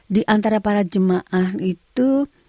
di antara para jemaah itu